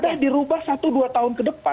sudah dirubah satu dua tahun ke depan